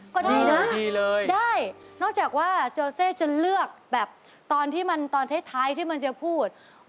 ก็ได้นะได้นอกจากว่าโจเซจะเลือกแบบตอนท้ายที่มันจะพูด